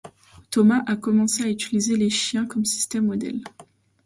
Thomas a commencé à utiliser les chiens comme système modèle.